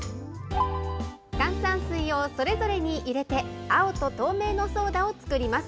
炭酸水をそれぞれに入れて、青と透明のソーダを作ります。